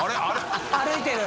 歩いてる！